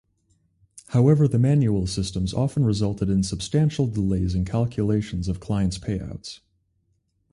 However the manual systems often resulted in substantial delays in calculations of clients' payouts.